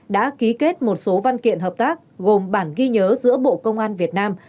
đã ký kết một số văn kiện hợp tác gồm bản ghi nhớ giữa bộ công an việt nam